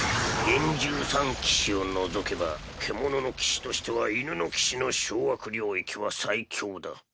幻獣三騎士を除けば獣の騎士としては犬の騎士の掌握領域は最強だ。